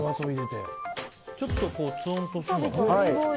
ちょっとツーンとするのかな。